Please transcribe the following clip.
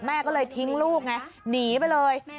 แม่ก็เลยทิ้งลูกไงหนีไปเลย